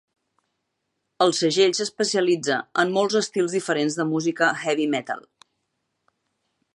El segell s'especialitza en molts estils diferents de música heavy-metal.